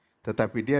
jahat tetapi dia